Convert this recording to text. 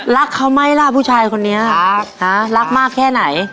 รักเขาไหมล่ะผู้ชายคนนี้รักมากแค่ไหน